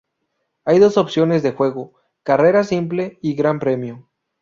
Hay dos opciones de juego: carrera simple y Gran Premio.